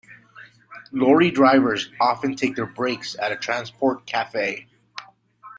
Lorry drivers often take their breaks at a transport cafe